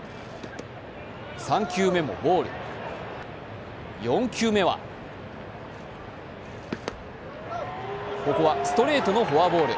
３球目もボール、４球目はここはストレートのフォアボール。